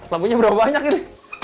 lampunya berapa banyak ini